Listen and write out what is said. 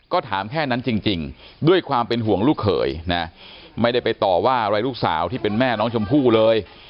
ก็ถามแค่นั้นจริงด้วยความเป็นห่วงลูกเขยนะไม่ได้ไปต่อว่าอะไรลูกสาวที่เป็นแม่น้องชมพู่เลย